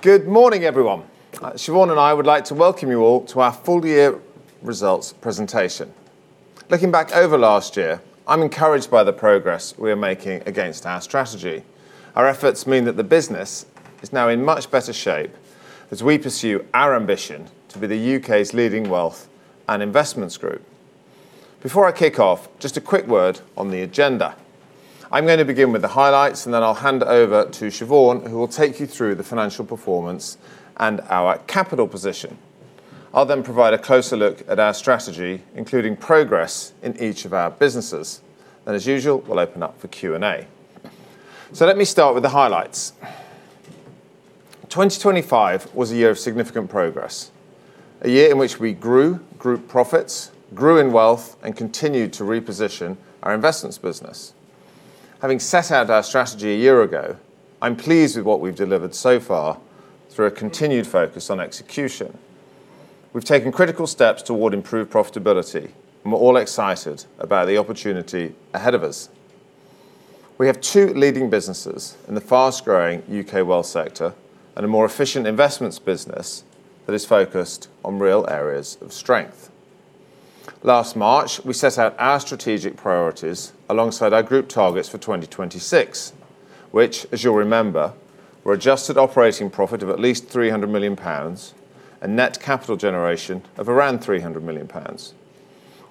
Good morning, everyone. Siobhan and I would like to welcome you all to our full year results presentation. Looking back over last year, I'm encouraged by the progress we are making against our strategy. Our efforts mean that the business is now in much better shape as we pursue our ambition to be the U.K.'s leading wealth and investments group. Before I kick off, just a quick word on the agenda. I'm gonna begin with the highlights. I'll hand over to Siobhan, who will take you through the financial performance and our capital position. I'll then provide a closer look at our strategy, including progress in each of our businesses. As usual, we'll open up for Q&A. Let me start with the highlights. 2025 was a year of significant progress, a year in which we grew group profits, grew in wealth, and continued to reposition our investments business. Having set out our strategy a year ago, I'm pleased with what we've delivered so far through a continued focus on execution. We've taken critical steps toward improved profitability, and we're all excited about the opportunity ahead of us. We have two leading businesses in the fast-growing U.K. wealth sector and a more efficient investments business that is focused on real areas of strength. Last March, we set out our strategic priorities alongside our group targets for 2026, which, as you'll remember, were adjusted operating profit of at least 300 million pounds and net capital generation of around 300 million pounds.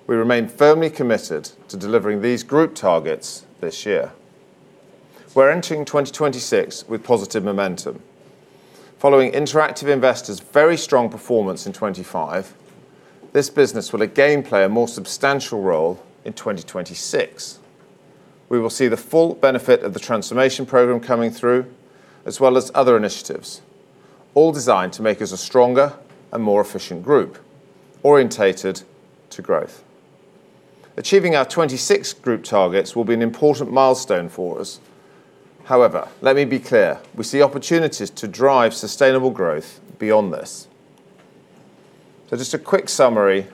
We remain firmly committed to delivering these group targets this year. We're entering 2026 with positive momentum. Following interactive investor's very strong performance in 2025, this business will again play a more substantial role in 2026. We will see the full benefit of the transformation program coming through as well as other initiatives, all designed to make us a stronger and more efficient group orientated to growth. Achieving our 2026 group targets will be an important milestone for us. Let me be clear. We see opportunities to drive sustainable growth beyond this. Just a quick summary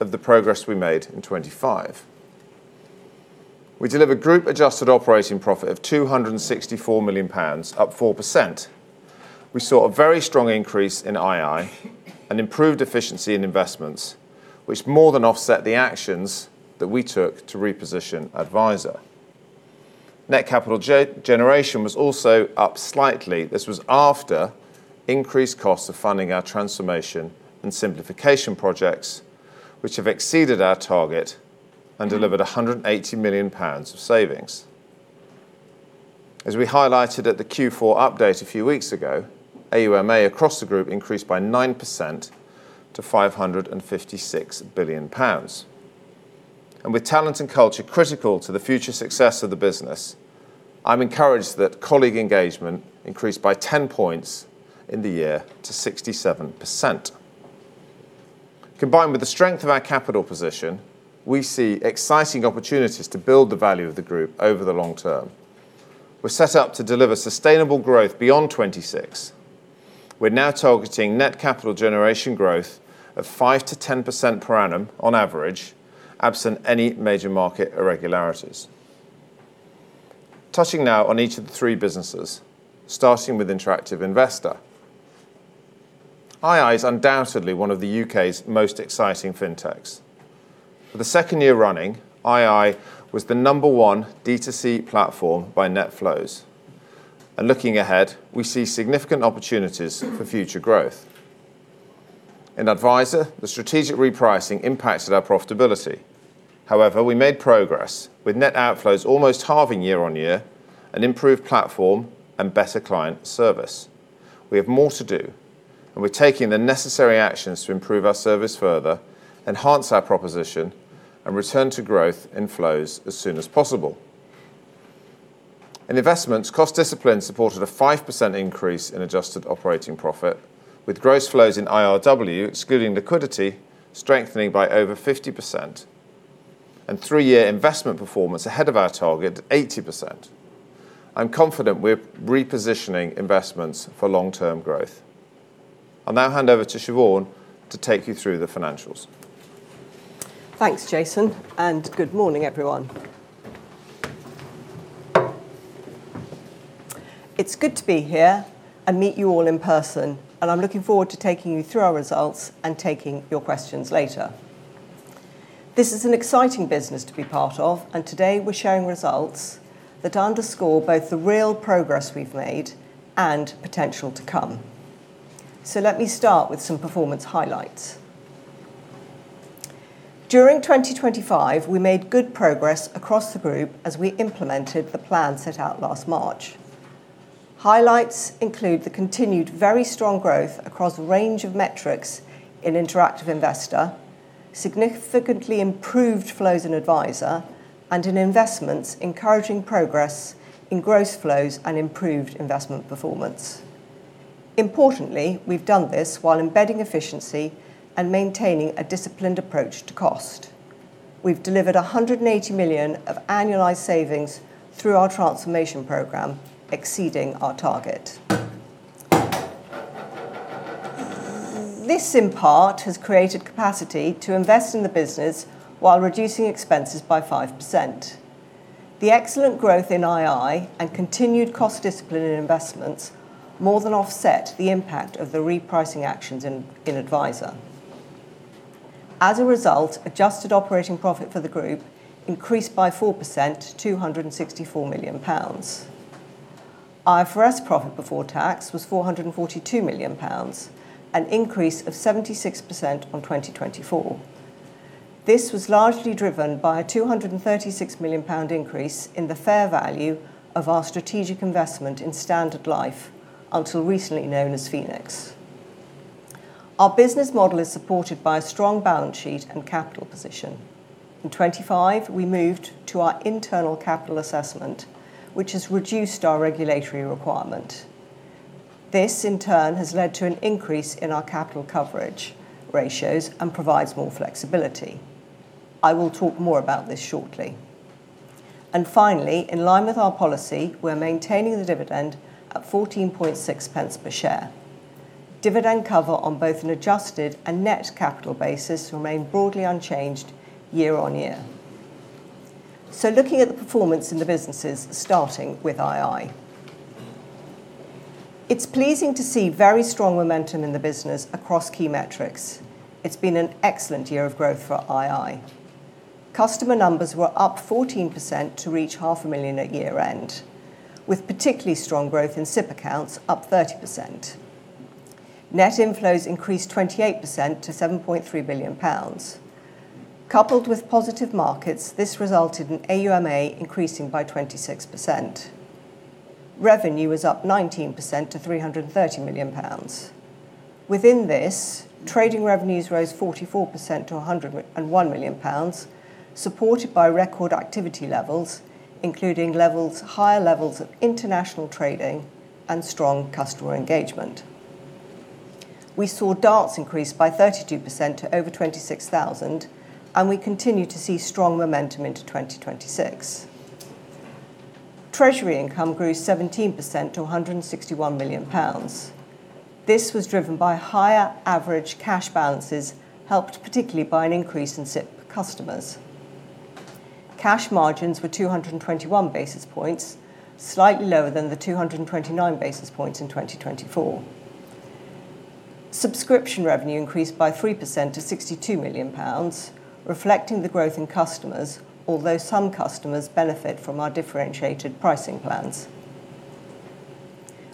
of the progress we made in 2025. We delivered group adjusted operating profit of 264 million pounds, up 4%. We saw a very strong increase in ii and improved efficiency in investments, which more than offset the actions that we took to reposition Adviser. Net capital generation was also up slightly. This was after increased costs of funding our transformation and simplification projects, which have exceeded our target and delivered 180 million pounds of savings. With talent and culture critical to the future success of the business, I'm encouraged that colleague engagement increased by 10 points in the year to 67%. Combined with the strength of our capital position, we see exciting opportunities to build the value of the group over the long term. We're set up to deliver sustainable growth beyond 2026. We're now targeting net capital generation growth of 5%-10% per annum on average, absent any major market irregularities. Touching now on each of the three businesses, starting with interactive investor. ii is undoubtedly one of the U.K.'s most exciting fintechs. For the second year running, ii was the number one D2C platform by net flows. Looking ahead, we see significant opportunities for future growth. In Adviser, the strategic repricing impacted our profitability. However, we made progress with net outflows almost halving year-over-year, an improved platform, and better client service. We have more to do, and we're taking the necessary actions to improve our service further, enhance our proposition, and return to growth in flows as soon as possible. In investments, cost discipline supported a 5% increase in adjusted operating profit with gross flows in IRW, excluding liquidity, strengthening by over 50%, and 3-year investment performance ahead of our target, 80%. I'm confident we're repositioning investments for long-term growth. I'll now hand over to Siobhan to take you through the financials. Thanks, Jason. Good morning, everyone. It's good to be here and meet you all in person. I'm looking forward to taking you through our results and taking your questions later. This is an exciting business to be part of. Today we're showing results that underscore both the real progress we've made and potential to come. Let me start with some performance highlights. During 2025, we made good progress across the group as we implemented the plan set out last March. Highlights include the continued very strong growth across a range of metrics in interactive investor, significantly improved flows in Adviser, and in investments, encouraging progress in gross flows and improved investment performance. Importantly, we've done this while embedding efficiency and maintaining a disciplined approach to cost. We've delivered 180 million of annualized savings through our transformation program, exceeding our target. This in part has created capacity to invest in the business while reducing expenses by 5%. The excellent growth in ii and continued cost discipline in investments more than offset the impact of the repricing actions in Adviser. As a result, adjusted operating profit for the group increased by 4% to 264 million pounds. IFRS profit before tax was 442 million pounds, an increase of 76% on 2024. This was largely driven by a 236 million pound increase in the fair value of our strategic investment in Standard Life, until recently known as Phoenix. Our business model is supported by a strong balance sheet and capital position. In 2025, we moved to our internal capital assessment, which has reduced our regulatory requirement. This, in turn, has led to an increase in our capital coverage ratios and provides more flexibility. I will talk more about this shortly. Finally, in line with our policy, we're maintaining the dividend at 0.146 per share. Dividend cover on both an adjusted and net capital basis remain broadly unchanged year-over-year. Looking at the performance in the businesses, starting with ii. It's pleasing to see very strong momentum in the business across key metrics. It's been an excellent year of growth for ii. Customer numbers were up 14% to reach half a million at year-end, with particularly strong growth in SIPP accounts up 30%. Net inflows increased 28% to 7.3 billion pounds. Coupled with positive markets, this resulted in AUMA increasing by 26%. Revenue was up 19% to 330 million pounds. Within this, trading revenues rose 44% to 101 million pounds, supported by record activity levels, including higher levels of international trading and strong customer engagement. We saw DARTs increase by 32% to over 26,000. We continue to see strong momentum into 2026. Treasury income grew 17% to 161 million pounds. This was driven by higher average cash balances, helped particularly by an increase in SIPP customers. Cash margins were 221 basis points, slightly lower than the 229 basis points in 2024. Subscription revenue increased by 3% to 62 million pounds, reflecting the growth in customers, although some customers benefit from our differentiated pricing plans.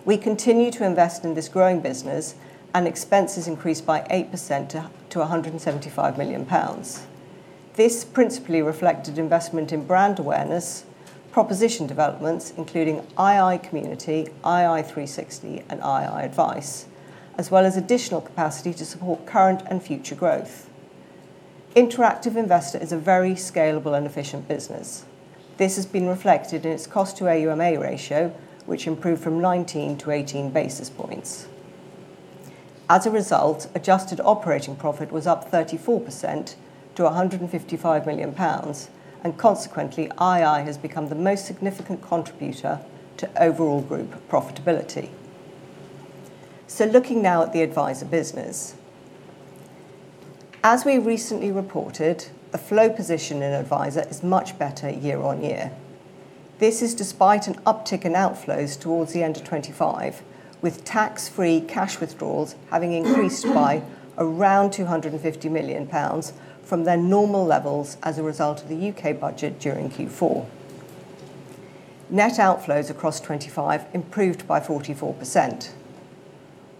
We continue to invest in this growing business. Expenses increased by 8% to 175 million pounds. This principally reflected investment in brand awareness, proposition developments, including ii Community, ii360, and ii Advice, as well as additional capacity to support current and future growth. interactive investor is a very scalable and efficient business. This has been reflected in its cost to AUMA ratio, which improved from 19-18 basis points. As a result, adjusted operating profit was up 34% to 155 million pounds, and consequently, ii has become the most significant contributor to overall group profitability. Looking now at the Adviser business. As we recently reported, the flow position in Adviser is much better year-on-year. This is despite an uptick in outflows towards the end of 2025, with tax-free cash withdrawals having increased by around 250 million pounds from their normal levels as a result of the U.K. budget during Q4. Net outflows across 2025 improved by 44%.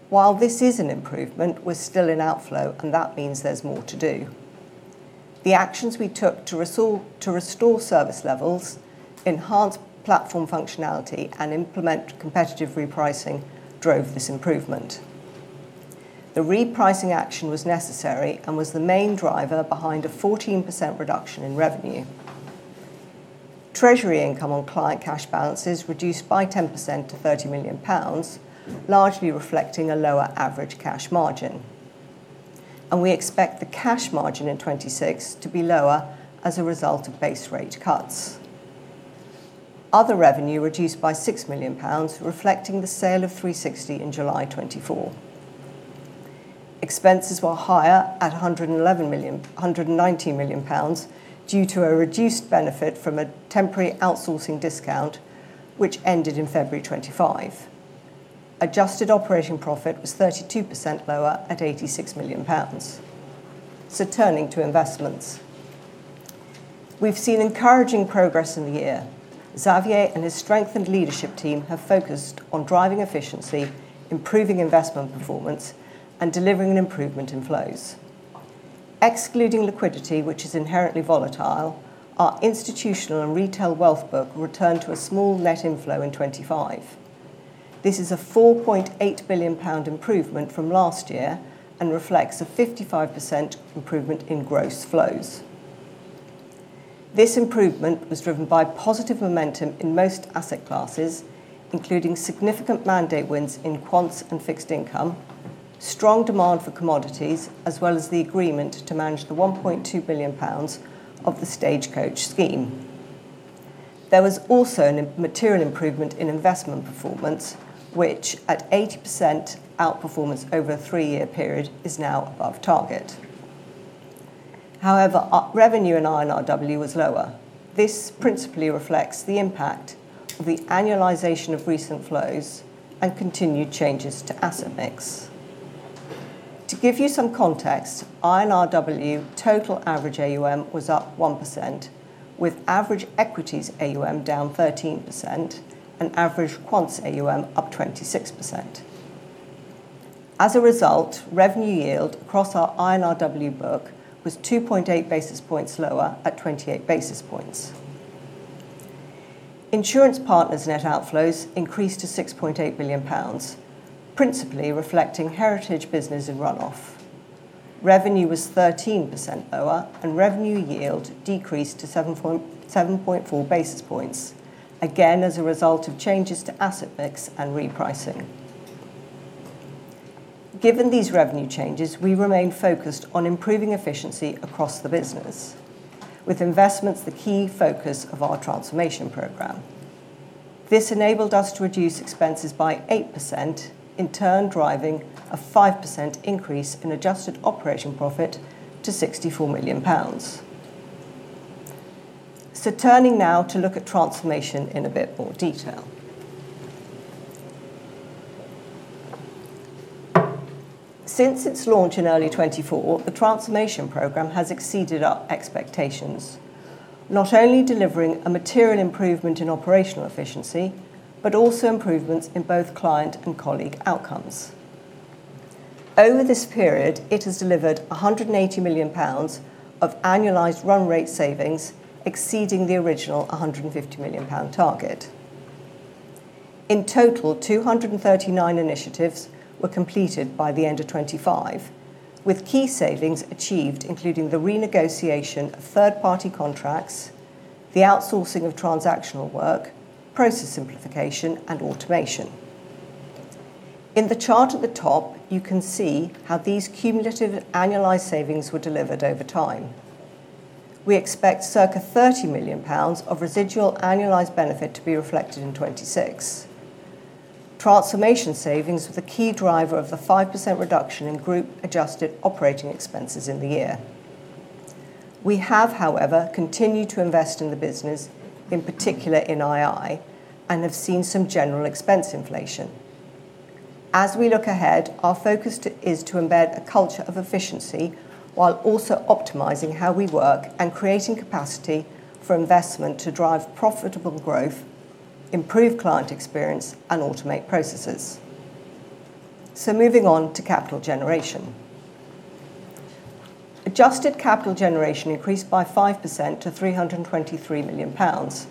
While this is an improvement, we're still in outflow. That means there's more to do. The actions we took to restore service levels, enhance platform functionality, and implement competitive repricing drove this improvement. The repricing action was necessary and was the main driver behind a 14% reduction in revenue. Treasury income on client cash balances reduced by 10% to 30 million pounds, largely reflecting a lower average cash margin. We expect the cash margin in 2026 to be lower as a result of base rate cuts. Other revenue reduced by 6 million pounds, reflecting the sale of 360 in July 2024. Expenses were higher at 190 million due to a reduced benefit from a temporary outsourcing discount which ended in February 2025. Adjusted operating profit was 32% lower at 86 million pounds. Turning to investments. We've seen encouraging progress in the year. Xavier and his strengthened leadership team have focused on driving efficiency, improving investment performance, and delivering an improvement in flows. Excluding liquidity, which is inherently volatile, our institutional and retail wealth book returned to a small net inflow in 2025. This is a 4.8 billion pound improvement from last year and reflects a 55% improvement in gross flows. This improvement was driven by positive momentum in most asset classes, including significant mandate wins in quants and fixed income, strong demand for commodities, as well as the agreement to manage the 1.2 billion pounds of the Stagecoach scheme. There was also an immaterial improvement in investment performance, which at 80% outperformance over a three-year period is now above target. Our revenue in I&RW was lower. This principally reflects the impact of the annualization of recent flows and continued changes to asset mix. To give you some context, I&RW total average AUM was up 1%, with average equities AUM down 13% and average quants AUM up 26%. Revenue yield across our I&RW book was 2.8 basis points lower at 28 basis points. Insurance partners net outflows increased to 6.8 million pounds, principally reflecting heritage business and runoff. Revenue was 13% lower, and revenue yield decreased to 7.4 basis points, again, as a result of changes to asset mix and repricing. Given these revenue changes, we remain focused on improving efficiency across the business, with investments the key focus of our transformation program. This enabled us to reduce expenses by 8%, in turn driving a 5% increase in adjusted operating profit to GBP 64 million. Turning now to look at transformation in a bit more detail. Since its launch in early 2024, the transformation program has exceeded our expectations, not only delivering a material improvement in operational efficiency, but also improvements in both client and colleague outcomes. Over this period, it has delivered 180 million pounds of annualized run rate savings, exceeding the original 150 million pound target. In total, 239 initiatives were completed by the end of 2025, with key savings achieved, including the renegotiation of third-party contracts, the outsourcing of transactional work, process simplification, and automation. In the chart at the top, you can see how these cumulative annualized savings were delivered over time. We expect circa GBP 30 million of residual annualized benefit to be reflected in 2026. Transformation savings was a key driver of the 5% reduction in group-adjusted operating expenses in the year. We have, however, continued to invest in the business, in particular in ii, and have seen some general expense inflation. We look ahead, our focus is to embed a culture of efficiency while also optimizing how we work and creating capacity for investment to drive profitable growth, improve client experience, and automate processes. Moving on to capital generation. Adjusted capital generation increased by 5% to 323 million pounds,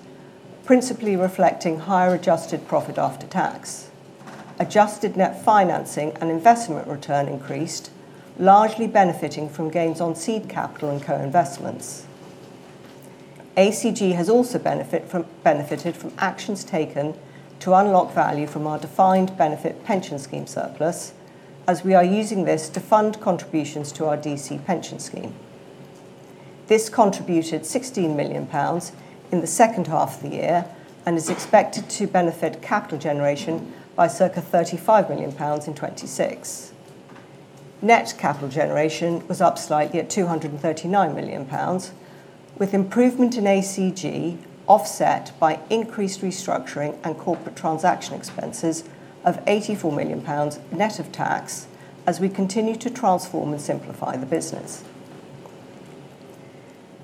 principally reflecting higher adjusted profit after tax. Adjusted net financing and investment return increased, largely benefiting from gains on seed capital and co-investments. ACG has also benefited from actions taken to unlock value from our defined benefit pension scheme surplus, as we are using this to fund contributions to our DC pension scheme. This contributed 16 million pounds in the second half of the year and is expected to benefit capital generation by circa 35 million pounds in 2026. Net capital generation was up slightly at 239 million pounds, with improvement in ACG offset by increased restructuring and corporate transaction expenses of 84 million pounds net of tax as we continue to transform and simplify the business.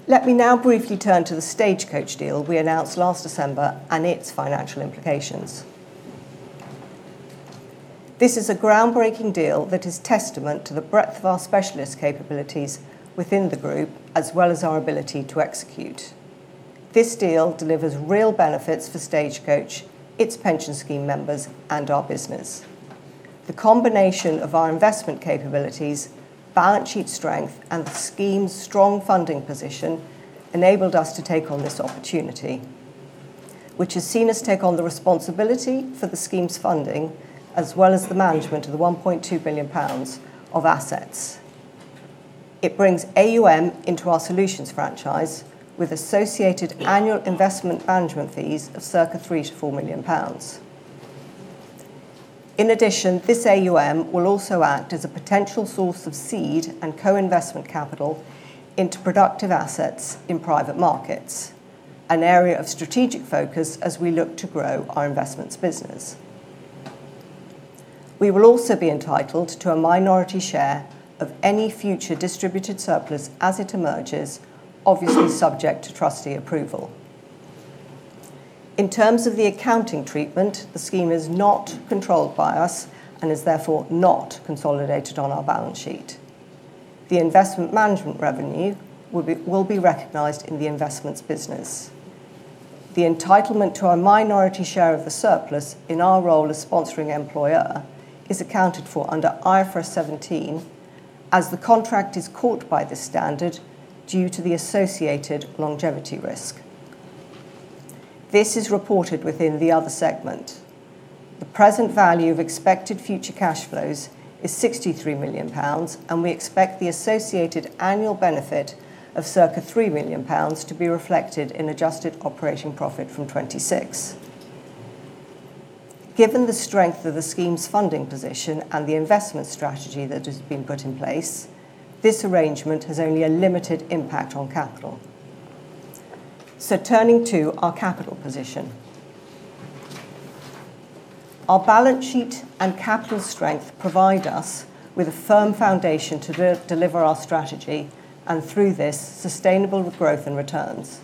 Let me now briefly turn to the Stagecoach deal we announced last December and its financial implications. This is a groundbreaking deal that is testament to the breadth of our specialist capabilities within the group, as well as our ability to execute. This deal delivers real benefits for Stagecoach, its pension scheme members, and our business. The combination of our investment capabilities, balance sheet strength, and the scheme's strong funding position enabled us to take on this opportunity, which has seen us take on the responsibility for the scheme's funding as well as the management of the 1.2 billion pounds of assets. It brings AUM into our solutions franchise with associated annual investment management fees of circa 3 million-4 million pounds. In addition, this AUM will also act as a potential source of seed and co-investment capital into productive assets in private markets, an area of strategic focus as we look to grow our investments business. We will also be entitled to a minority share of any future distributed surplus as it emerges, obviously subject to trustee approval. In terms of the accounting treatment, the scheme is not controlled by us and is therefore not consolidated on our balance sheet. The investment management revenue will be recognized in the investments business. The entitlement to our minority share of the surplus in our role as sponsoring employer is accounted for under IFRS 17, as the contract is caught by this standard due to the associated longevity risk. This is reported within the other segment. The present value of expected future cash flows is 63 million pounds, and we expect the associated annual benefit of circa 3 million pounds to be reflected in adjusted operating profit from 2026. Given the strength of the scheme's funding position and the investment strategy that has been put in place, this arrangement has only a limited impact on capital. Turning to our capital position. Our balance sheet and capital strength provide us with a firm foundation to deliver our strategy and, through this, sustainable growth in returns.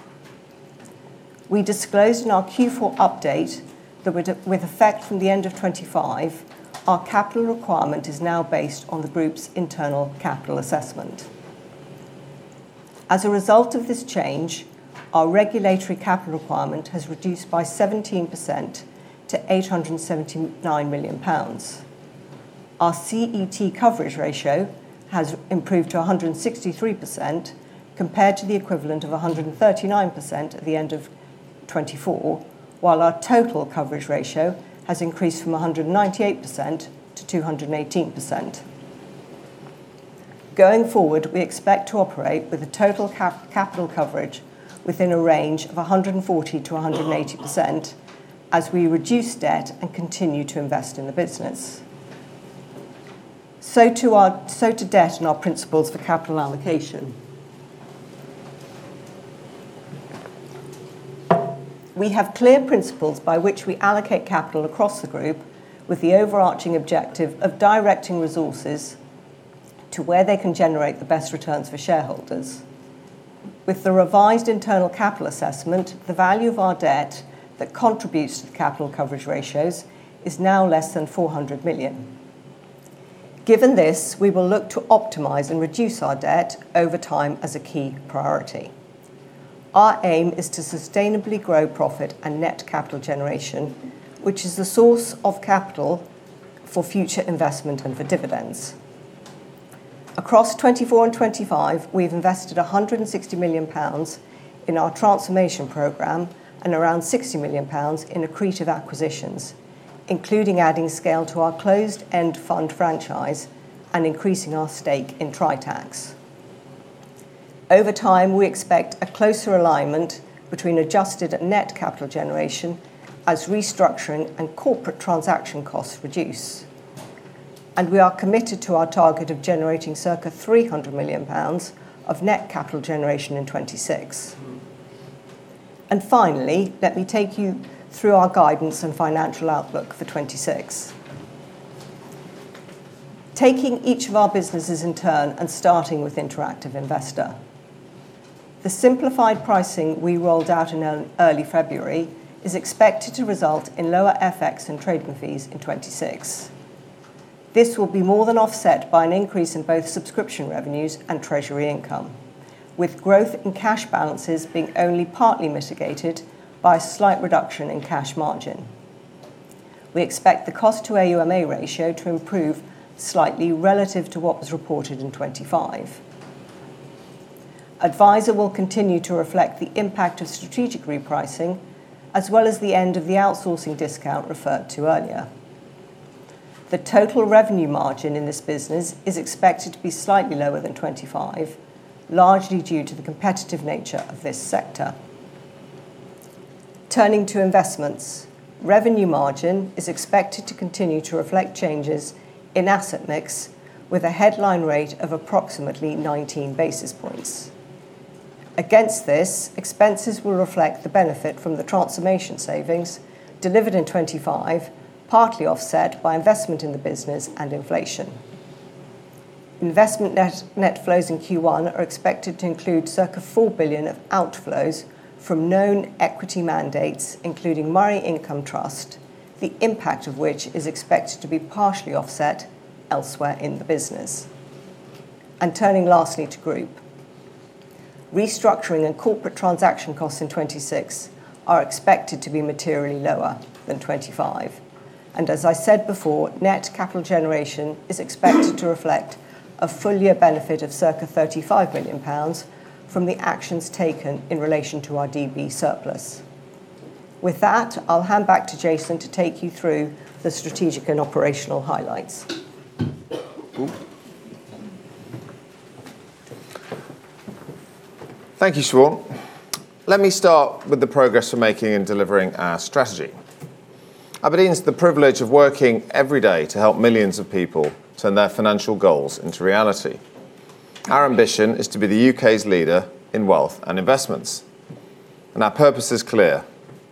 We disclosed in our Q4 update that with effect from the end of 2025, our capital requirement is now based on the group's internal capital assessment. As a result of this change, our regulatory capital requirement has reduced by 17% to 879 million pounds. Our CET coverage ratio has improved to 163% compared to the equivalent of 139% at the end of 2024, while our total coverage ratio has increased from 198%-218%. Going forward, we expect to operate with a total capital coverage within a range of 140%-180% as we reduce debt and continue to invest in the business. To debt and our principles for capital allocation. We have clear principles by which we allocate capital across the group with the overarching objective of directing resources to where they can generate the best returns for shareholders. With the revised internal capital assessment, the value of our debt that contributes to the capital coverage ratios is now less than 400 million. Given this, we will look to optimize and reduce our debt over time as a key priority. Our aim is to sustainably grow profit and net capital generation, which is the source of capital for future investment and for dividends. Across 2024 and 2025, we've invested 160 million pounds in our transformation program and around 60 million pounds in accretive acquisitions, including adding scale to our closed-end fund franchise and increasing our stake in Tritax. Over time, we expect a closer alignment between adjusted net capital generation as restructuring and corporate transaction costs reduce. We are committed to our target of generating circa 300 million pounds of net capital generation in 2026. Finally, let me take you through our guidance and financial outlook for 2026. Taking each of our businesses in turn and starting with Interactive Investor. The simplified pricing we rolled out in early February is expected to result in lower FX and trading fees in 2026. This will be more than offset by an increase in both subscription revenues and Treasury income, with growth in cash balances being only partly mitigated by a slight reduction in cash margin. We expect the cost to AUMA ratio to improve slightly relative to what was reported in 2025. Adviser will continue to reflect the impact of strategic repricing as well as the end of the outsourcing discount referred to earlier. The total revenue margin in this business is expected to be slightly lower than 2025, largely due to the competitive nature of this sector. Turning to investments. Revenue margin is expected to continue to reflect changes in asset mix with a headline rate of approximately 19 basis points. Against this, expenses will reflect the benefit from the transformation savings delivered in 2025, partly offset by investment in the business and inflation. Investment net flows in Q1 are expected to include circa 4 billion of outflows from known equity mandates, including Murray Income Trust, the impact of which is expected to be partially offset elsewhere in the business. Turning lastly to Group. Restructuring and corporate transaction costs in 2026 are expected to be materially lower than 2025. As I said before, net capital generation is expected to reflect a full year benefit of circa 35 million pounds from the actions taken in relation to our DB surplus. With that, I'll hand back to Jason to take you through the strategic and operational highlights. Thank you, Siobhan. Let me start with the progress we're making in delivering our strategy. Aberdeen has the privilege of working every day to help millions of people turn their financial goals into reality. Our ambition is to be the U.K.'s leader in wealth and investments. Our purpose is clear: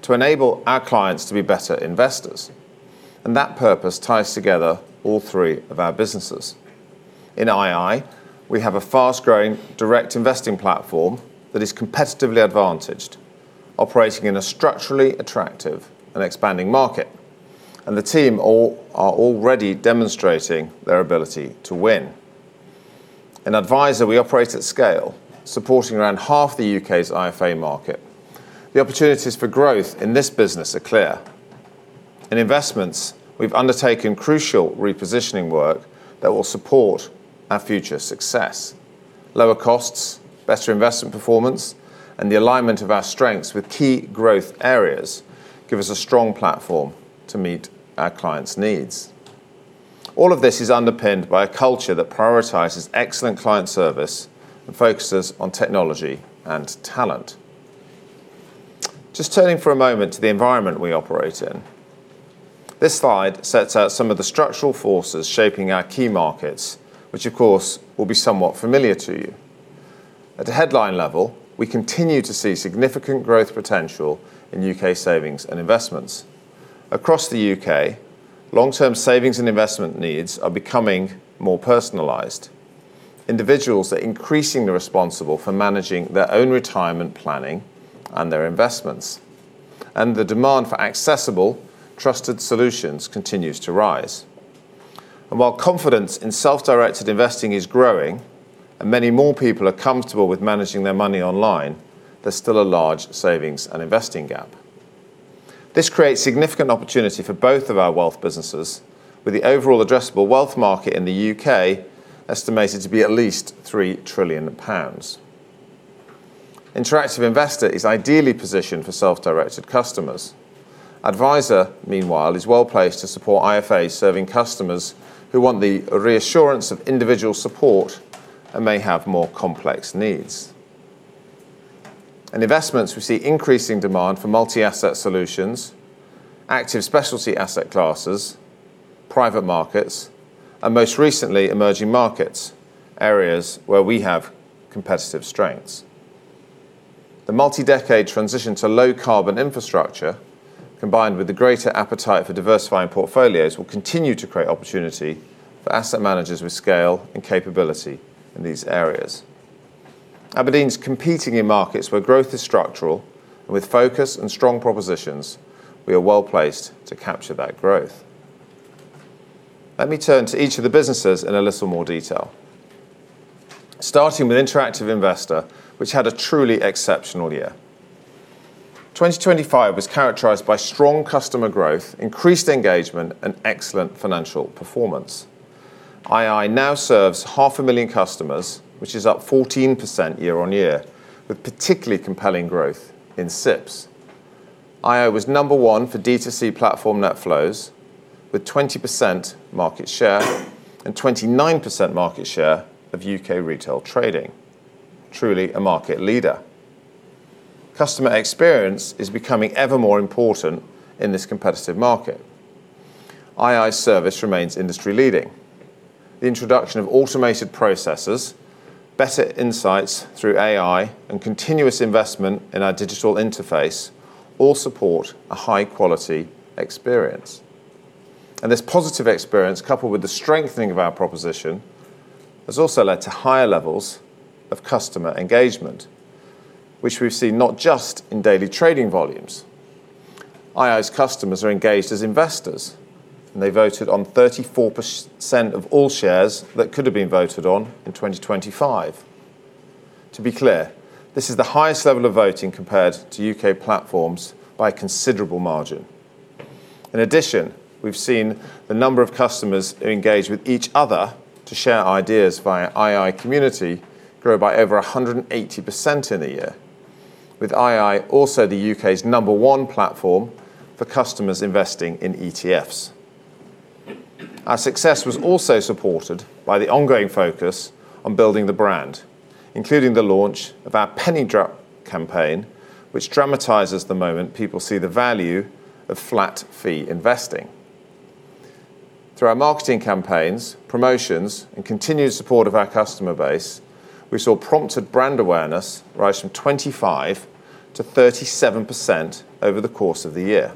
to enable our clients to be better investors. That purpose ties together all three of our businesses. In ii, we have a fast-growing direct investing platform that is competitively advantaged, operating in a structurally attractive and expanding market. The team are already demonstrating their ability to win. In Adviser, we operate at scale, supporting around half the U.K.'s IFA market. The opportunities for growth in this business are clear. In Investments, we've undertaken crucial repositioning work that will support our future success. Lower costs, better investment performance, and the alignment of our strengths with key growth areas give us a strong platform to meet our clients' needs. All of this is underpinned by a culture that prioritizes excellent client service and focuses on technology and talent. Just turning for a moment to the environment we operate in. This slide sets out some of the structural forces shaping our key markets, which of course, will be somewhat familiar to you. At a headline level, we continue to see significant growth potential in U.K. savings and investments. Across the U.K., long-term savings and investment needs are becoming more personalized. Individuals are increasingly responsible for managing their own retirement planning and their investments, and the demand for accessible, trusted solutions continues to rise. While confidence in self-directed investing is growing and many more people are comfortable with managing their money online, there's still a large savings and investing gap. This creates significant opportunity for both of our wealth businesses with the overall addressable wealth market in the U.K. estimated to be at least 3 trillion pounds. interactive investor is ideally positioned for self-directed customers. Adviser, meanwhile, is well-placed to support IFAs serving customers who want the reassurance of individual support and may have more complex needs. In investments, we see increasing demand for multi-asset solutions, active specialty asset classes, private markets, and most recently, emerging markets, areas where we have competitive strengths. The multi-decade transition to low carbon infrastructure, combined with the greater appetite for diversifying portfolios, will continue to create opportunity for asset managers with scale and capability in these areas. Aberdeen's competing in markets where growth is structural and with focus and strong propositions, we are well-placed to capture that growth. Let me turn to each of the businesses in a little more detail. Starting with Interactive Investor, which had a truly exceptional year. 2025 was characterized by strong customer growth, increased engagement, and excellent financial performance. ii now serves half a million customers, which is up 14% year-on-year, with particularly compelling growth in SIPPs. ii was number one for D2C platform net flows with 20% market share and 29% market share of U.K. retail trading. Truly a market leader. Customer experience is becoming ever more important in this competitive market. ii's service remains industry-leading. The introduction of automated processes, better insights through AI, and continuous investment in our digital interface all support a high-quality experience. This positive experience, coupled with the strengthening of our proposition, has also led to higher levels of customer engagement, which we've seen not just in daily trading volumes. ii's customers are engaged as investors, and they voted on 34% of all shares that could have been voted on in 2025. To be clear, this is the highest level of voting compared to U.K. platforms by a considerable margin. In addition, we've seen the number of customers engage with each other to share ideas via ii Community grow by over 180% in a year, with ii also the U.K.'s number one platform for customers investing in ETFs. Our success was also supported by the ongoing focus on building the brand, including the launch of our Penny Drop campaign, which dramatizes the moment people see the value of flat fee investing. Through our marketing campaigns, promotions, and continued support of our customer base, we saw prompted brand awareness rise from 25%-37% over the course of the year.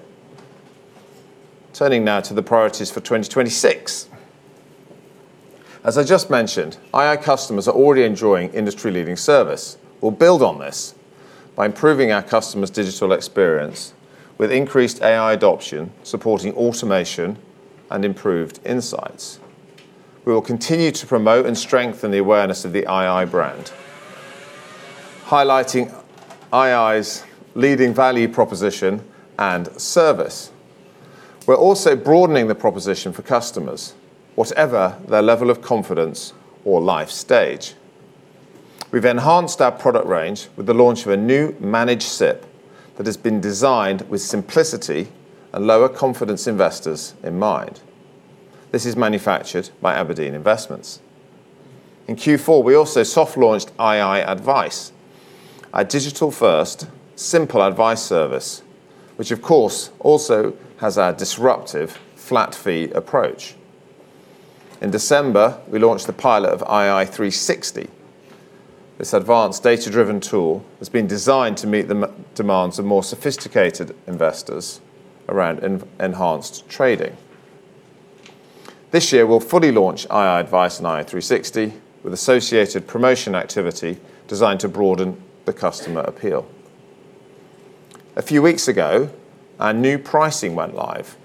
Turning now to the priorities for 2026. As I just mentioned, ii customers are already enjoying industry-leading service. We'll build on this by improving our customers' digital experience with increased AI adoption, supporting automation and improved insights. We will continue to promote and strengthen the awareness of the ii brand, highlighting ii's leading value proposition and service. We're also broadening the proposition for customers, whatever their level of confidence or life stage. We've enhanced our product range with the launch of a new managed SIPP that has been designed with simplicity and lower confidence investors in mind. This is manufactured by Aberdeen Investments. In Q4, we also soft launched ii Advice, a digital-first simple advice service, which of course, also has a disruptive flat fee approach. In December, we launched the pilot of ii360. This advanced data-driven tool has been designed to meet the demands of more sophisticated investors around enhanced trading. This year, we'll fully launch ii Advice and ii360 with associated promotion activity designed to broaden the customer appeal. A few weeks ago, our new pricing went live.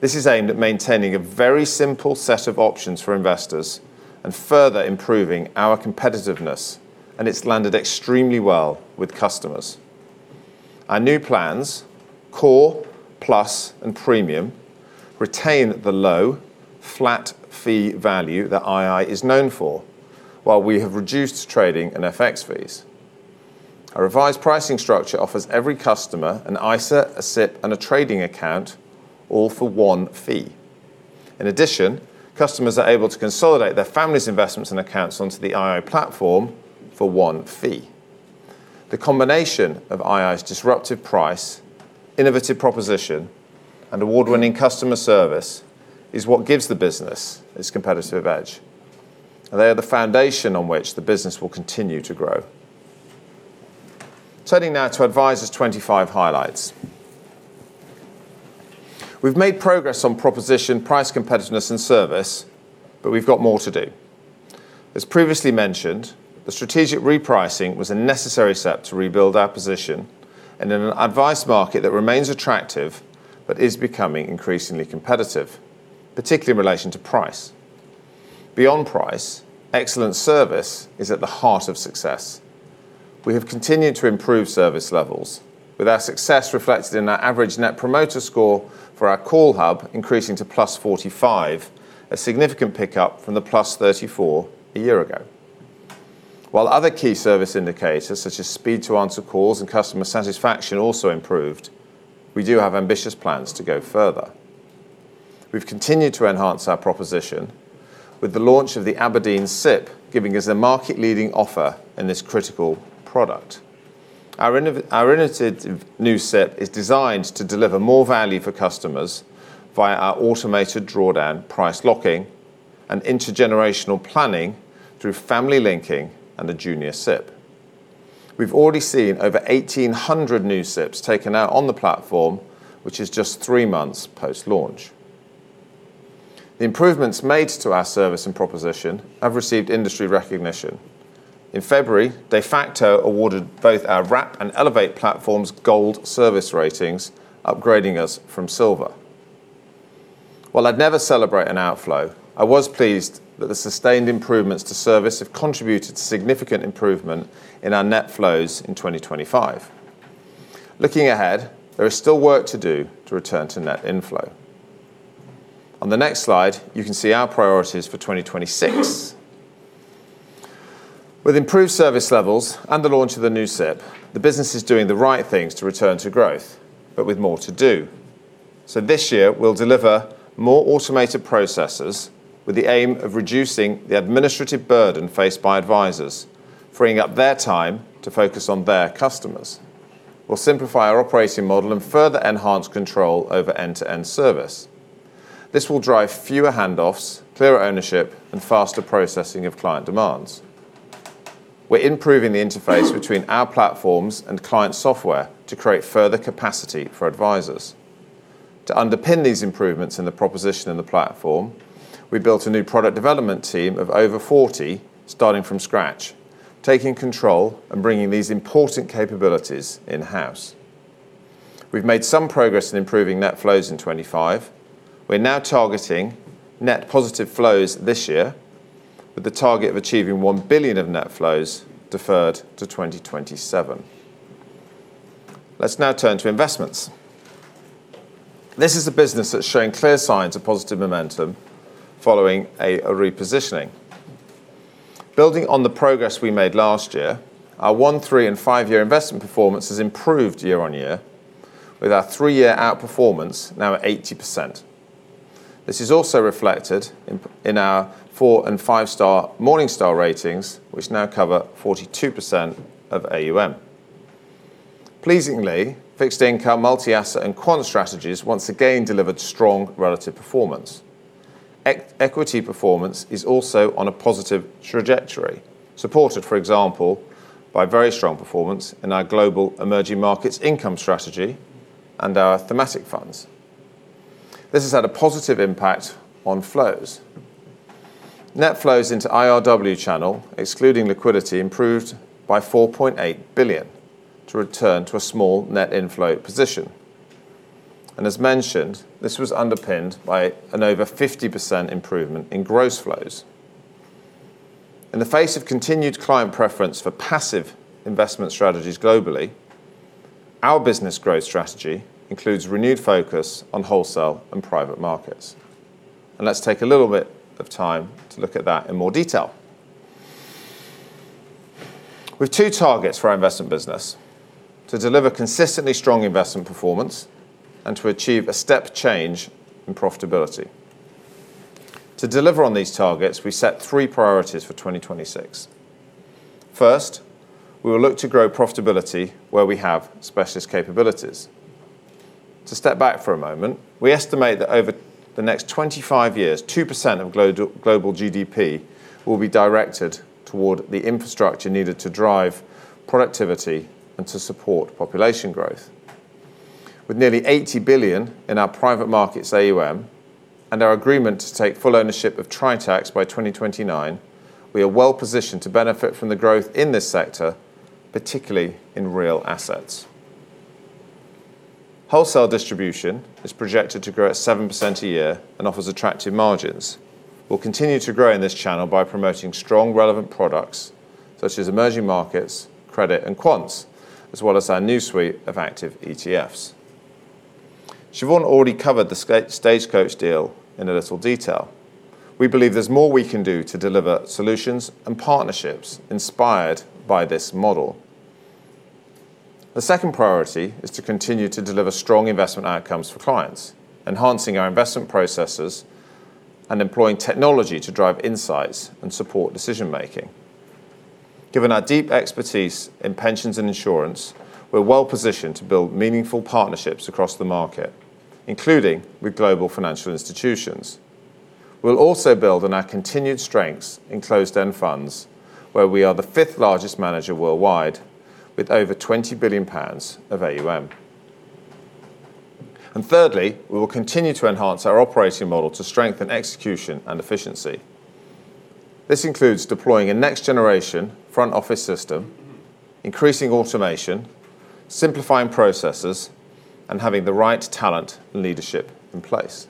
This is aimed at maintaining a very simple set of options for investors and further improving our competitiveness, and it's landed extremely well with customers. Our new plans, Core, Plus, and Premium, retain the low flat fee value that ii is known for, while we have reduced trading and FX fees. Our revised pricing structure offers every customer an ISA, a SIPP, and a trading account all for one fee. In addition, customers are able to consolidate their family's investments and accounts onto the ii platform for one fee. The combination of ii's disruptive price, innovative proposition, and award-winning customer service is what gives the business its competitive edge. They are the foundation on which the business will continue to grow. Turning now to Adviser 2025 highlights. We've made progress on proposition price competitiveness and service, but we've got more to do. As previously mentioned, the strategic repricing was a necessary step to rebuild our position and in an advice market that remains attractive but is becoming increasingly competitive, particularly in relation to price. Beyond price, excellent service is at the heart of success. We have continued to improve service levels with our success reflected in our average NPS for our call hub increasing to +45, a significant pickup from the +34 a year ago. While other key service indicators, such as speed to answer calls and customer satisfaction, also improved, we do have ambitious plans to go further. We've continued to enhance our proposition with the launch of the Aberdeen SIPP, giving us a market-leading offer in this critical product. Our innovative new SIPP is designed to deliver more value for customers via our automated drawdown price locking and intergenerational planning through family linking and a Junior SIPP. We've already seen over 1,800 new SIPPs taken out on the platform, which is just three months post-launch. The improvements made to our service and proposition have received industry recognition. In February, Defaqto awarded both our Wrap and Elevate platforms gold service ratings, upgrading us from silver. While I'd never celebrate an outflow, I was pleased that the sustained improvements to service have contributed to significant improvement in our net flows in 2025. Looking ahead, there is still work to do to return to net inflow. On the next slide, you can see our priorities for 2026. With improved service levels and the launch of the new SIPP, the business is doing the right things to return to growth, but with more to do. This year we'll deliver more automated processes with the aim of reducing the administrative burden faced by advisors, freeing up their time to focus on their customers. We'll simplify our operating model and further enhance control over end-to-end service. This will drive fewer handoffs, clearer ownership, and faster processing of client demands. We're improving the interface between our platforms and client software to create further capacity for advisors. To underpin these improvements in the proposition and the platform, we built a new product development team of over 40, starting from scratch, taking control and bringing these important capabilities in-house. We've made some progress in improving net flows in 2025. We're now targeting net positive flows this year with the target of achieving 1 billion of net flows deferred to 2027. Let's now turn to investments. This is a business that's showing clear signs of positive momentum following a repositioning. Building on the progress we made last year, our one, three, and five-year investment performance has improved year-over-year with our three-year outperformance now at 80%. This is also reflected in our four and five-star Morningstar ratings, which now cover 42% of AUM. Pleasingly, fixed income, multi-asset, and quant strategies once again delivered strong relative performance. Equity performance is also on a positive trajectory, supported, for example, by very strong performance in our global emerging markets income strategy and our thematic funds. This has had a positive impact on flows. Net flows into IRW channel, excluding liquidity, improved by 4.8 billion to return to a small net inflow position. As mentioned, this was underpinned by an over 50% improvement in gross flows. In the face of continued client preference for passive investment strategies globally, our business growth strategy includes renewed focus on wholesale and private markets. Let's take a little bit of time to look at that in more detail. We have two targets for our investment business, to deliver consistently strong investment performance and to achieve a step change in profitability. To deliver on these targets, we set three priorities for 2026. First, we will look to grow profitability where we have specialist capabilities. To step back for a moment, we estimate that over the next 25 years, 2% of global GDP will be directed toward the infrastructure needed to drive productivity and to support population growth. With nearly 80 billion in our private markets AUM and our agreement to take full ownership of Tritax by 2029, we are well positioned to benefit from the growth in this sector, particularly in real assets. Wholesale distribution is projected to grow at 7% a year and offers attractive margins. We'll continue to grow in this channel by promoting strong relevant products such as emerging markets, credit, and quants, as well as our new suite of active ETFs. Siobhan already covered the Stagecoach deal in a little detail. We believe there's more we can do to deliver solutions and partnerships inspired by this model. The second priority is to continue to deliver strong investment outcomes for clients, enhancing our investment processes and employing technology to drive insights and support decision-making. Given our deep expertise in pensions and insurance, we're well-positioned to build meaningful partnerships across the market, including with global financial institutions. We'll also build on our continued strengths in closed-end funds, where we are the fifth-largest manager worldwide with over 20 billion pounds of AUM. Thirdly, we will continue to enhance our operating model to strengthen execution and efficiency. This includes deploying a next-generation front office system, increasing automation, simplifying processes, and having the right talent and leadership in place.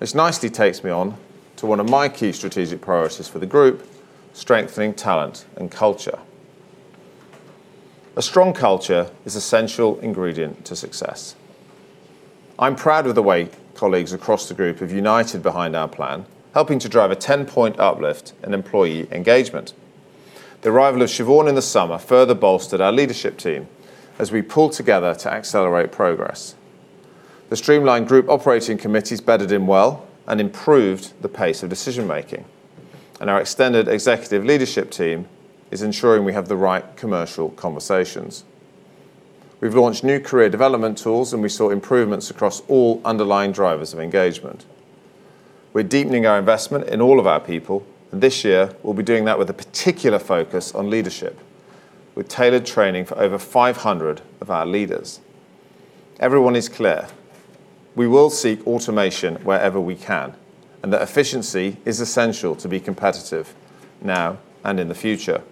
This nicely takes me on to one of my key strategic priorities for the group, strengthening talent and culture. A strong culture is essential ingredient to success. I'm proud of the way colleagues across the group have united behind our plan, helping to drive a 10-point uplift in employee engagement. The arrival of Siobhan in the summer further bolstered our leadership team as we pulled together to accelerate progress. The streamlined group operating committees bedded in well and improved the pace of decision-making. Our extended executive leadership team is ensuring we have the right commercial conversations. We've launched new career development tools. We saw improvements across all underlying drivers of engagement. We're deepening our investment in all of our people. This year we'll be doing that with a particular focus on leadership, with tailored training for over 500 of our leaders. Everyone is clear. We will seek automation wherever we can. That efficiency is essential to be competitive now and in the future.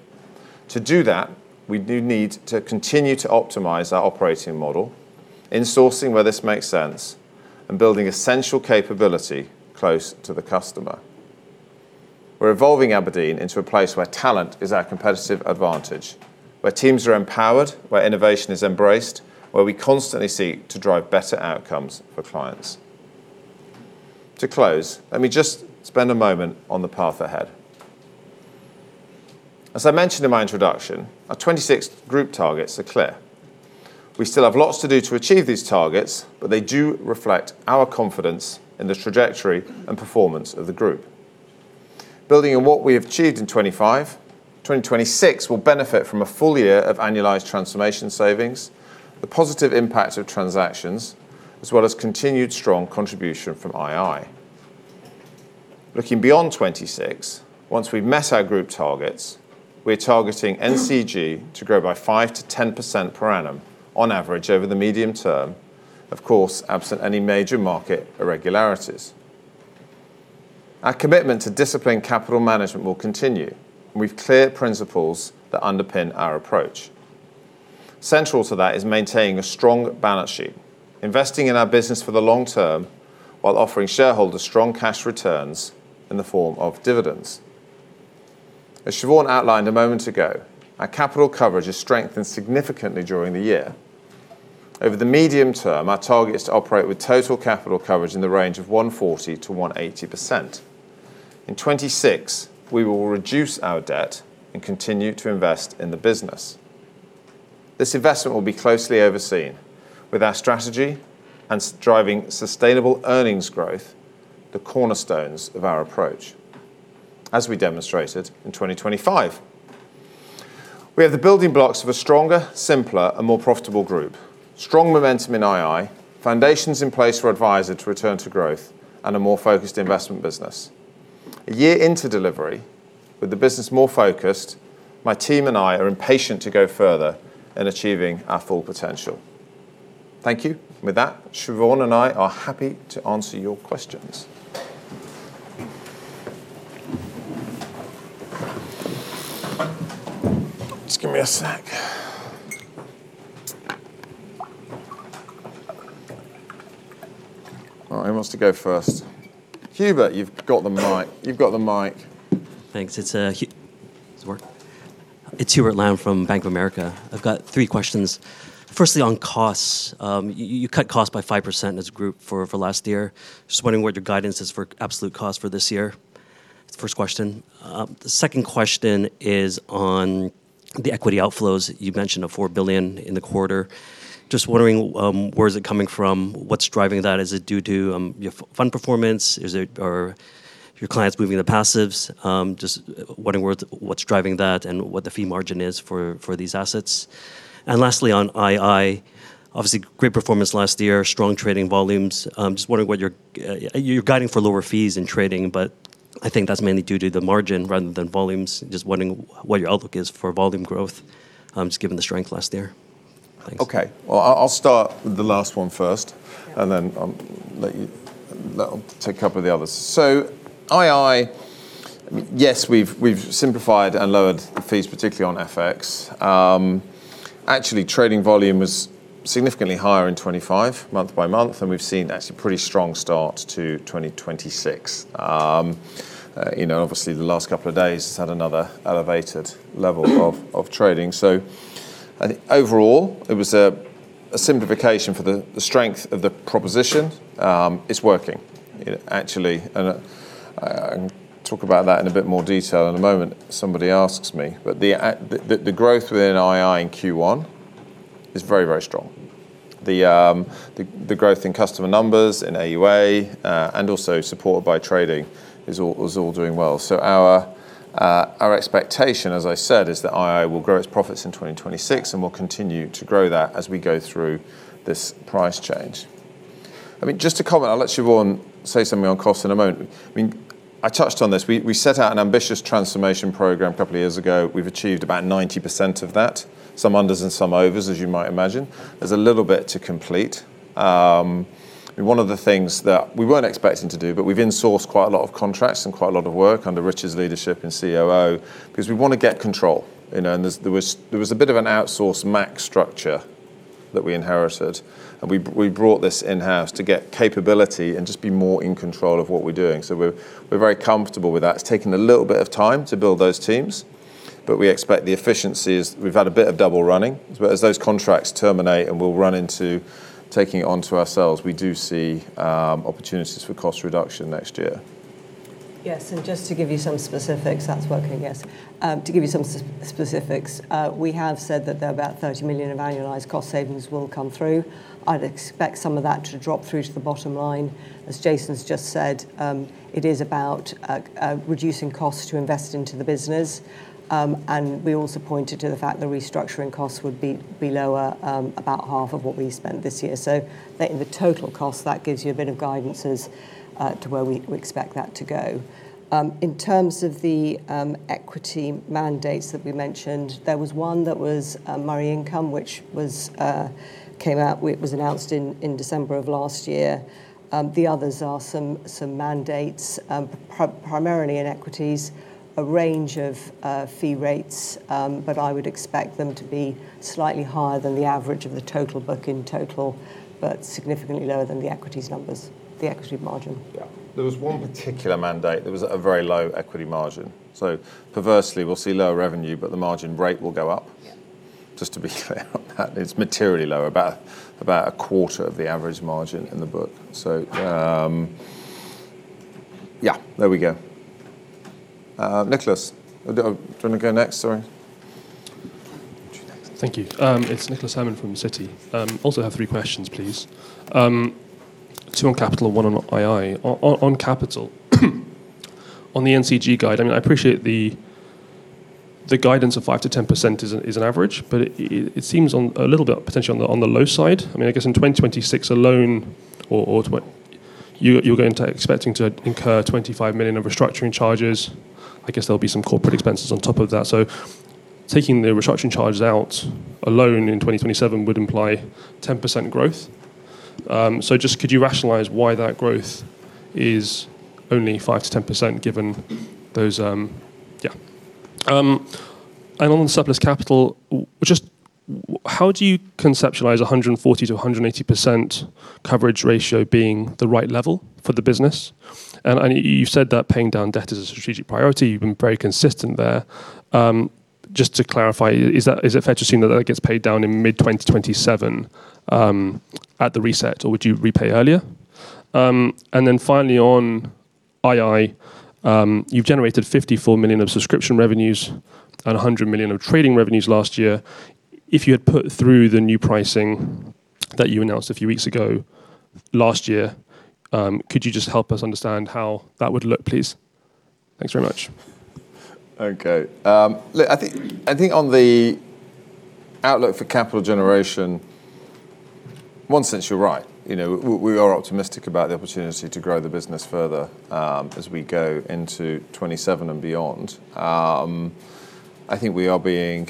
To do that, we do need to continue to optimize our operating model, in-sourcing where this makes sense, and building essential capability close to the customer. We're evolving Aberdeen into a place where talent is our competitive advantage, where teams are empowered, where innovation is embraced, where we constantly seek to drive better outcomes for clients. To close, let me just spend a moment on the path ahead. As I mentioned in my introduction, our 2026 group targets are clear. We still have lots to do to achieve these targets, but they do reflect our confidence in the trajectory and performance of the group. Building on what we have achieved in 2025, 2026 will benefit from a full year of annualized transformation savings, the positive impact of transactions, as well as continued strong contribution from ii. Looking beyond 2026, once we've met our group targets, we're targeting NCG to grow by 5%-10% per annum on average over the medium term, of course, absent any major market irregularities. Our commitment to disciplined capital management will continue. We've clear principles that underpin our approach. Central to that is maintaining a strong balance sheet, investing in our business for the long term while offering shareholders strong cash returns in the form of dividends. As Siobhan outlined a moment ago, our capital coverage has strengthened significantly during the year. Over the medium term, our target is to operate with total capital coverage in the range of 140%-180%. In 2026, we will reduce our debt and continue to invest in the business. This investment will be closely overseen with our strategy and driving sustainable earnings growth, the cornerstones of our approach, as we demonstrated in 2025. We have the building blocks of a stronger, simpler, and more profitable group. Strong momentum in ii, foundations in place for Adviser to return to growth, and a more focused investment business. A year into delivery, with the business more focused, my team and I are impatient to go further in achieving our full potential. Thank you. Siobhan and I are happy to answer your questions. Just give me a sec. All right, who wants to go first? Hubert, you've got the mic. You've got the mic. Thanks. Does this work? It's Hubert Lam from Bank of America. I've got three questions. Firstly, on costs. You cut costs by 5% as a group for last year. Just wondering what your guidance is for absolute cost for this year? That's the first question. The second question is on the equity outflows. You mentioned a 4 billion in the quarter. Just wondering where is it coming from? What's driving that? Is it due to your fund performance? Your clients moving to passives? Just wondering what's driving that and what the fee margin is for these assets. Lastly on ii, obviously great performance last year, strong trading volumes. Just wondering what you're guiding for lower fees in trading, but I think that's mainly due to the margin rather than volumes. Just wondering what your outlook is for volume growth, just given the strength last year. Thanks. Okay. Well, I'll start with the last one first, and then I'll let you. I'll take a couple of the others. ii. Yes, we've simplified and lowered fees, particularly on FX. actually, trading volume was significantly higher in 2025 month by month, and we've seen actually a pretty strong start to 2026. you know, obviously the last couple of days has had another elevated level of trading. I think overall it was a simplification for the strength of the proposition. it's working. actually, and I can talk about that in a bit more detail in a moment if somebody asks me. The growth within ii in Q1 is very, very strong. The growth in customer numbers in AUA, and also supported by trading was all doing well. Our expectation, as I said, is that ii will grow its profits in 2026 and will continue to grow that as we go through this price change. I mean, just to comment, I'll let Siobhan say something on costs in a moment. I mean, I touched on this. We set out an ambitious transformation program a couple of years ago. We've achieved about 90% of that, some unders and some overs, as you might imagine. There's a little bit to complete. I mean, one of the things that we weren't expecting to do, but we've insourced quite a lot of contracts and quite a lot of work under Rich's leadership in COO because we want to get control, you know. There was, there was a bit of an outsource max structure that we inherited and we brought this in-house to get capability and just be more in control of what we're doing. We're, we're very comfortable with that. It's taken a little bit of time to build those teams, but we expect the efficiencies. We've had a bit of double running, but as those contracts terminate and we'll run into taking it onto ourselves, we do see opportunities for cost reduction next year. Yes. Just to give you some specifics, that's working, yes. To give you some specifics, we have said that there are about 30 million of annualized cost savings will come through. I'd expect some of that to drop through to the bottom line. As Jason's just said, it is about reducing costs to invest into the business. We also pointed to the fact the restructuring costs would be below about half of what we spent this year. The total cost, that gives you a bit of guidance to where we expect that to go. In terms of the equity mandates that we mentioned, there was one that was Murray Income, which was it was announced in December of last year. The others are some mandates, primarily in equities, a range of fee rates, but I would expect them to be slightly higher than the average of the total book in total, but significantly lower than the equities numbers, the equity margin. Yeah. There was one particular mandate. There was a very low equity margin. Perversely, we'll see lower revenue, but the margin rate will go up. Yeah. Just to be clear that it's materially lower, about a quarter of the average margin in the book. Yeah, there we go. Nicholas, do you wanna go next? Sorry. Thank you. It's Nicholas Salmon from Citi. Also have three questions, please. Two on capital and one on ii. On capital, on the NCG guide, I mean, I appreciate the guidance of 5%-10% is an average, but it seems a little bit potentially on the low side. I mean, I guess in 2026 alone, you're expecting to incur 25 million of restructuring charges. I guess there'll be some corporate expenses on top of that. Taking the restructuring charges out alone in 2027 would imply 10% growth. Just could you rationalize why that growth is only 5%-10% given those. On the surplus capital, how do you conceptualize a 140%-180% coverage ratio being the right level for the business? You said that paying down debt is a strategic priority. You've been very consistent there. Just to clarify, is it fair to assume that that gets paid down in mid 2027, at the reset, or would you repay earlier? Finally on ii, you've generated 54 million of subscription revenues and 100 million of trading revenues last year. If you had put through the new pricing that you announced a few weeks ago last year, could you just help us understand how that would look, please? Thanks very much. Okay. Look, I think on the outlook for capital generation, in one sense, you're right. You know, we are optimistic about the opportunity to grow the business further, as we go into 2027 and beyond. I think we are being,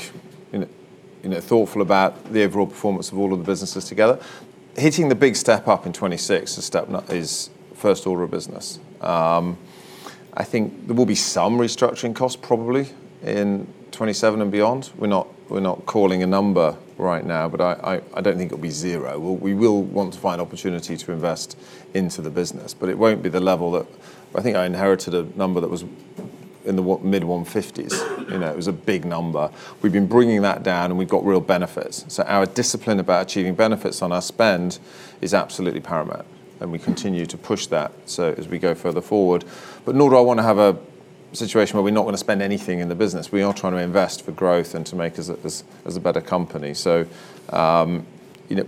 you know, thoughtful about the overall performance of all of the businesses together. Hitting the big step up in 2026 is first order of business. I think there will be some restructuring costs probably in 2027 and beyond. We're not calling a number right now, but I don't think it'll be zero. We will want to find opportunity to invest into the business, but it won't be the level that I think I inherited a number that was in the what, mid 150s. You know, it was a big number. We've been bringing that down, and we've got real benefits. Our discipline about achieving benefits on our spend is absolutely paramount, and we continue to push that as we go further forward. Nor do I wanna have a situation where we're not gonna spend anything in the business. We are trying to invest for growth and to make us as a better company. You know,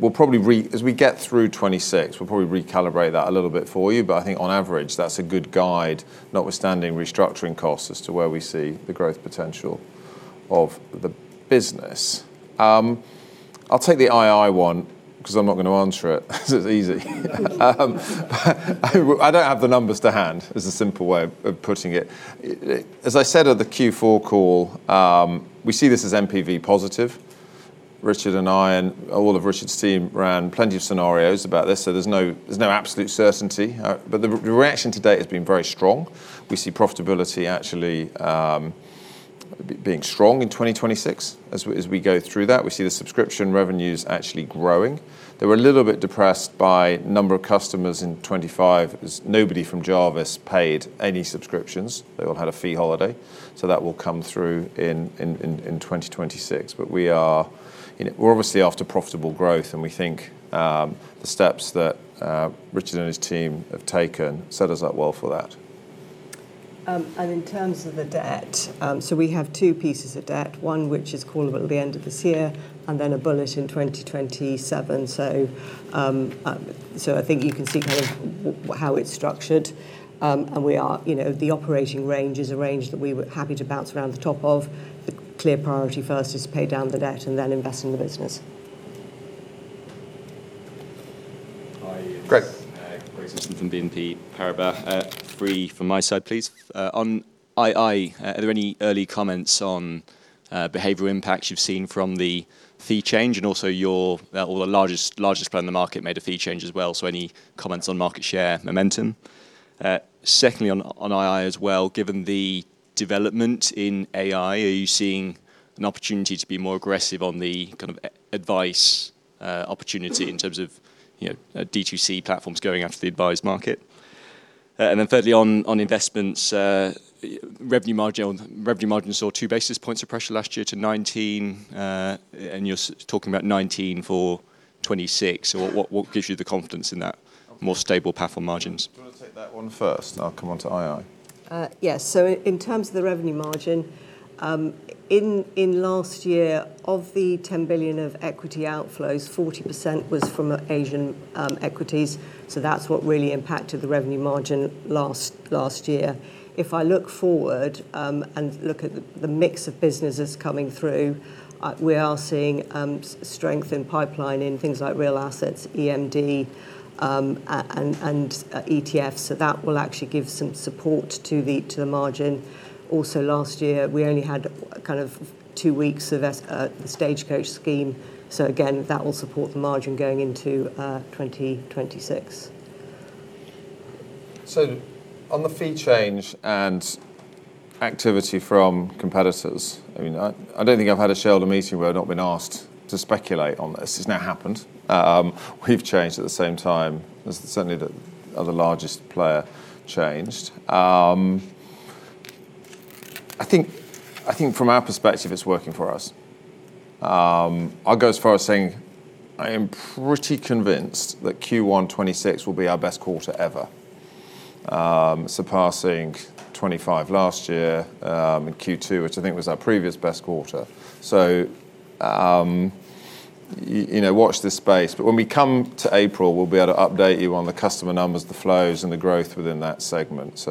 we'll probably as we get through 2026, we'll probably recalibrate that a little bit for you. I think on average, that's a good guide, notwithstanding restructuring costs as to where we see the growth potential of the business. I'll take the ii one 'cause I'm not gonna answer it. It's easy. I don't have the numbers to hand is a simple way of putting it. As I said at the Q4 call, we see this as NPV positive. Richard and I and all of Richard's team ran plenty of scenarios about this, so there's no absolute certainty. The reaction to date has been very strong. We see profitability actually being strong in 2026. As we go through that, we see the subscription revenues actually growing. They were a little bit depressed by number of customers in 2025 as nobody from Jarvis paid any subscriptions. They all had a fee holiday. That will come through in 2026. We are, you know, we're obviously after profitable growth, and we think the steps that Richard and his team have taken set us up well for that. In terms of the debt, we have two pieces of debt. One which is callable at the end of this year, and then a bullet in 2027. I think you can see kind of how it's structured. We are, you know, the operating range is a range that we were happy to bounce around the top of. The clear priority first is to pay down the debt and then invest in the business. Great. Hi, it's Greg Simpson from BNP Paribas. Three from my side, please. On ii, are there any early comments on behavioral impacts you've seen from the fee change and also the largest player in the market made a fee change as well? Any comments on market share momentum? Secondly on ii as well, given the development in AI, are you seeing an opportunity to be more aggressive on the kind of ii Advice opportunity in terms of, you know, D2C platforms going after the advice market? Thirdly on investments, revenue margin saw two basis points of pressure last year to 19, and you're talking about 19 for 2026. What, what gives you the confidence in that more stable path on margins? Do you wanna take that one first? I'll come on to ii. Yes. In terms of the revenue margin, in last year, of the 10 billion of equity outflows, 40% was from Asian equities. That's what really impacted the revenue margin last year. If I look forward, and look at the mix of businesses coming through, we are seeing strength in pipeline in things like real assets, EMD, and ETFs. That will actually give some support to the margin. Also last year, we only had kind of two weeks of Stagecoach scheme. Again, that will support the margin going into 2026. On the fee change and activity from competitors, I mean, I don't think I've had a shareholder meeting where I've not been asked to speculate on this. It's now happened. We've changed at the same time as certainly the largest player changed. I think from our perspective, it's working for us. I'll go as far as saying I am pretty convinced that Q1 2026 will be our best quarter ever, surpassing 2025 last year, and Q2, which I think was our previous best quarter. You know, watch this space. When we come to April, we'll be able to update you on the customer numbers, the flows, and the growth within that segment.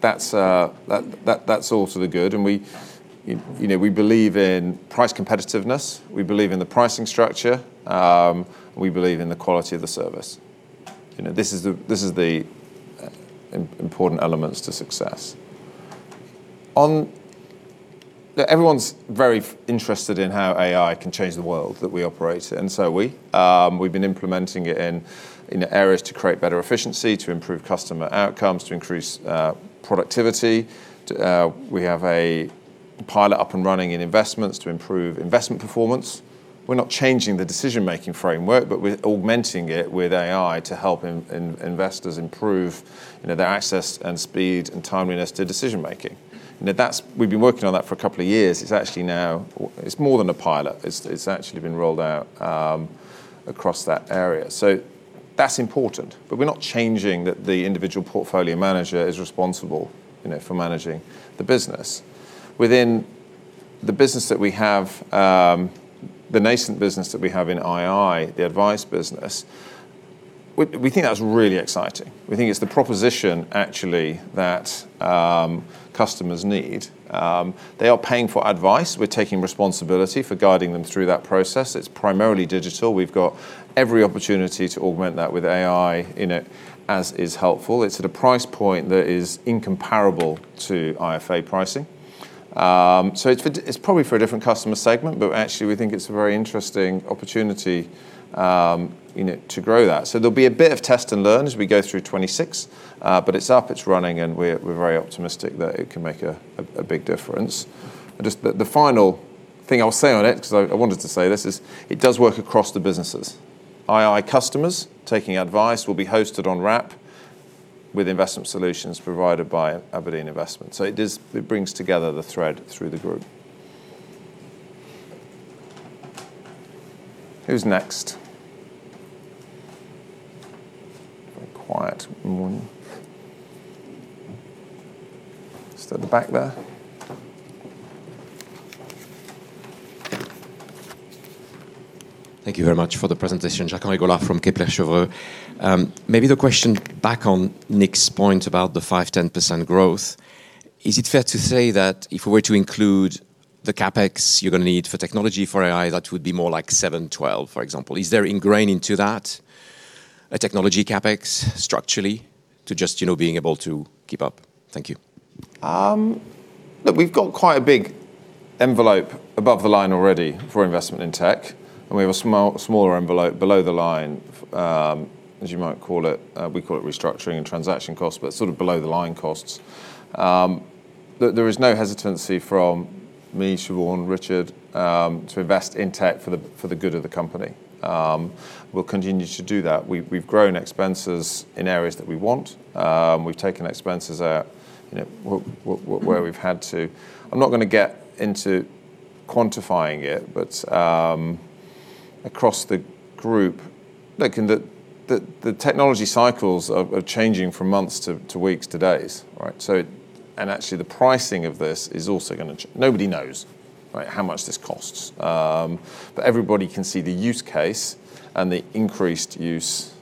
That's all to the good. We, you know, we believe in price competitiveness, we believe in the pricing structure, we believe in the quality of the service. You know, this is the, this is the important elements to success. Everyone's very interested in how AI can change the world that we operate in. Are we. We've been implementing it in areas to create better efficiency, to improve customer outcomes, to increase productivity. We have a pilot up and running in investments to improve investment performance. We're not changing the decision-making framework, but we're augmenting it with AI to help investors improve, you know, their access and speed and timeliness to decision-making. You know, we've been working on that for a couple of years. It's actually now. It's more than a pilot. It's actually been rolled out across that area. That's important. We're not changing that the individual portfolio manager is responsible, you know, for managing the business. Within the business that we have, the nascent business that we have in ii, the advice business, we think that's really exciting. We think it's the proposition actually that customers need. They are paying for advice. We're taking responsibility for guiding them through that process. It's primarily digital. We've got every opportunity to augment that with AI in it, as is helpful. It's at a price point that is incomparable to IFA pricing. It's probably for a different customer segment, but actually we think it's a very interesting opportunity, you know, to grow that. There'll be a bit of test and learn as we go through 2026, but it's up, it's running, and we're very optimistic that it can make a big difference. Just the final thing I'll say on it, 'cause I wanted to say this, is it does work across the businesses. ii customers taking advice will be hosted on Wrap with investment solutions provided by Aberdeen Investments. It brings together the thread through the group. Who's next? Very quiet morning. Still at the back there. Thank you very much for the presentation. Jacques-Henri Gaulard from Kepler Cheuvreux. Maybe the question back on Nick's point about the 5%-10% growth. Is it fair to say that if we were to include the CapEx you're gonna need for technology for AI, that would be more like 7%-12%, for example? Is there ingrained into that a technology CapEx structurally to just, you know, being able to keep up? Thank you. Look, we've got quite a big envelope above the line already for investment in tech, and we have a small, smaller envelope below the line, as you might call it. We call it restructuring and transaction costs, but sort of below-the-line costs. There is no hesitancy from me, Siobhan, Richard, to invest in tech for the good of the company. We'll continue to do that. We've grown expenses in areas that we want. We've taken expenses out, you know, where we've had to. I'm not gonna get into quantifying it, but across the group. Look, the technology cycles are changing from months, to weeks, to days, right? Actually, the pricing of this is also gonna Nobody knows, right, how much this costs. Everybody can see the use case and the increased use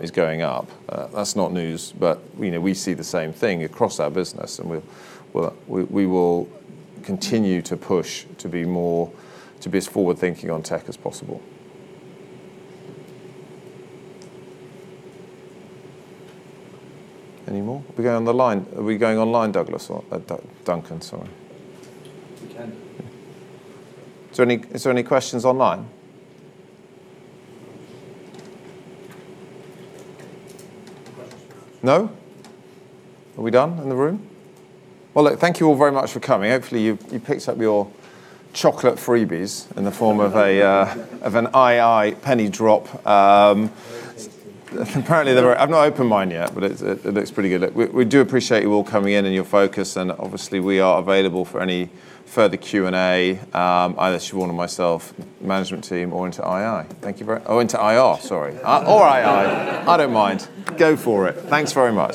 is going up. That's not news, you know, we see the same thing across our business, and we will continue to push to be more, to be as forward-thinking on tech as possible. Any more? Are we going on the line? Are we going online, Douglas, or Duncan, sorry? We can. Is there any questions online? No? Are we done in the room? Well, look, thank you all very much for coming. Hopefully, you picked up your chocolate freebies in the form of an ii Penny Drop. Apparently, they were. I've not opened mine yet, but it looks pretty good. We, we do appreciate you all coming in and your focus. Obviously, we are available for any further Q&A, either Siobhan or myself, management team, or into ii. Into IR, sorry. Or ii. I don't mind. Go for it. Thanks very much.